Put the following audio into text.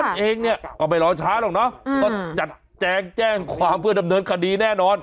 เองเนี่ยก็ไม่รอช้าหรอกเนาะก็จัดแจงแจ้งความเพื่อดำเนินคดีแน่นอน